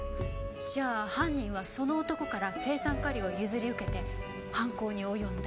じゃあ犯人はその男から青酸カリを譲り受けて犯行に及んだ。